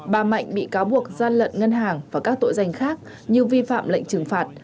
bà mạnh bị cáo buộc gian lận ngân hàng và các tội danh khác như vi phạm lệnh trừng phạt